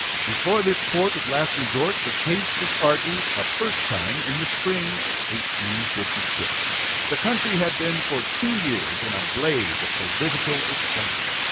Before this court of last resort the case was argued a first time in the spring of 1856. The country had been for two years in a blaze of political excitement.